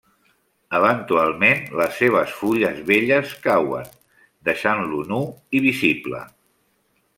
Eventualment les seves fulles velles cauen, deixant-lo nu i visible.